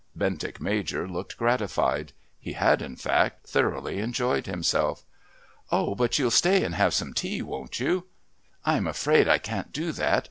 Bentinck Major looked gratified. He had, in fact, thoroughly enjoyed himself. "Oh, but you'll stay and have some tea, won't you?" "I'm afraid I can't do that.